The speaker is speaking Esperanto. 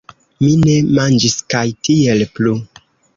Mi ne manĝis kaj tiel plu.